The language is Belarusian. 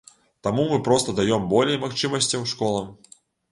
Таму мы проста даём болей магчымасцяў школам.